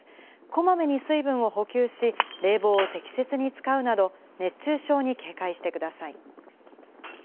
こまめに水分を補給し、冷房を適切に使うなど、熱中症に警戒してください。